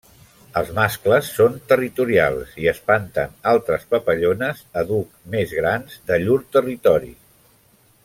Els mascles són territorials i espanten altres papallones, àdhuc més grans, de llur territori.